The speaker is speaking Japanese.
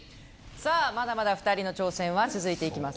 さあ、まだまだ２人の挑戦は続いていきます。